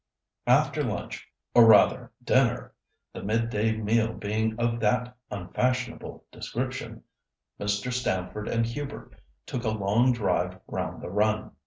After lunch, or rather dinner, the mid day meal being of that unfashionable description, Mr. Stamford and Hubert took a long drive round the run.